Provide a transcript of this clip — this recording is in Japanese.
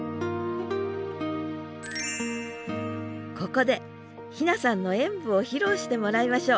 ここで妃那さんの演舞を披露してもらいましょう！